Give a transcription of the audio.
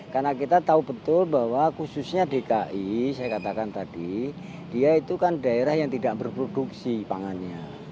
karena kita tahu betul bahwa khususnya dki saya katakan tadi dia itu kan daerah yang tidak berproduksi pangannya